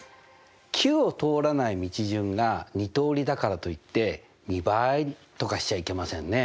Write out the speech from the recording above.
Ｑを通らない道順が２通りだからといって２倍とかしちゃいけませんね。